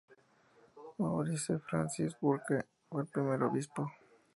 Maurice Francis Burke, fue el primer obispo.